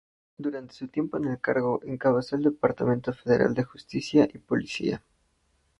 Durante su tiempo en el cargo, encabezó el Departamento Federal de Justicia y Policía.